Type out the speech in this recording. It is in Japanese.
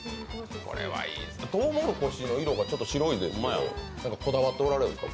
とうもろこしの色がちょっと白いですけどこだわっておられるんですか？